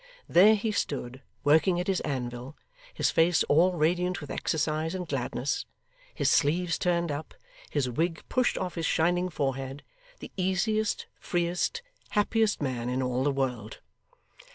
There he stood working at his anvil, his face all radiant with exercise and gladness, his sleeves turned up, his wig pushed off his shining forehead the easiest, freest, happiest man in all the world.